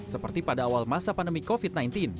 seperti pada awal masa pandemi covid sembilan belas